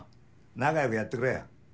仲よくやってくれや。